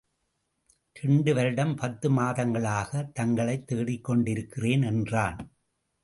இரண்டு வருடம் பத்து மாதங்களாகத் தங்களை தேடிக் கொண்டிருக்கிறேன் என்றான்.